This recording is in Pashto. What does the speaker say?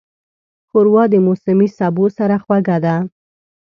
ښوروا د موسمي سبو سره خوږه ده.